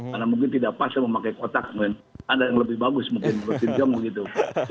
karena mungkin tidak pas memakai kotak mungkin ada yang lebih bagus mungkin menurut sintayong begitu